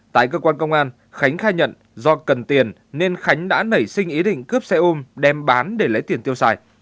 tại cơ quan công an khánh khai nhận do cần tiền nên khánh đã nảy sinh ý định cướp xe ôm đem bán để lấy tiền tiêu xài